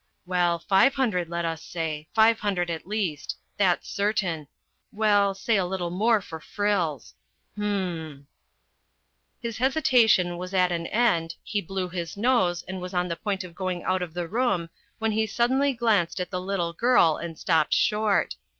Well, five hundred, let us say, five hundred at least ... that's certain; well, say a little more for frills. H'm !..." His hesitation was at an end, he blew his nose and was on the point of going out of the room when he suddenly glanced at the little girl and stopped short.